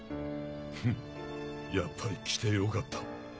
フッやっぱり来てよかった。